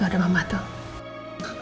tuh ada mama tuh